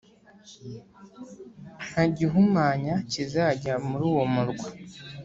Ntagihumanya kizajya muri uwo murwa